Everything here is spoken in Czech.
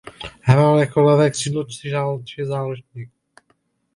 Hrál jako levé křídlo či záložník.